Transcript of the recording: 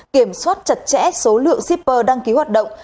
kiểm soát chặt chẽ số lượng shipper đăng ký hoạt động